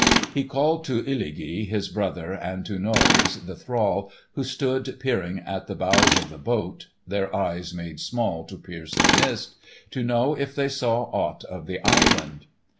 He called to Illugi, his brother, and to Noise, the thrall, who stood peering at the bows of the boat (their eyes made small to pierce the mist), to know if they saw aught of the island.